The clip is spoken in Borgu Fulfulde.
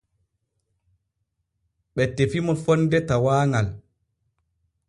Ɓe tefi mo fonde tawaaŋal.